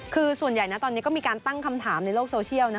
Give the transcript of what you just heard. คือส่วนใหญ่นะตอนนี้ก็มีการตั้งคำถามในโลกโซเชียลนะ